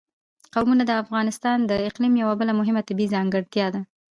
قومونه د افغانستان د اقلیم یوه بله مهمه طبیعي ځانګړتیا ده.